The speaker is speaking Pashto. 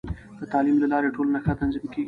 د تعلیم له لارې، ټولنه ښه تنظیم کېږي.